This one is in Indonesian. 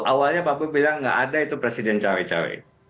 awalnya pablo bilang gak ada itu presiden cewek cewek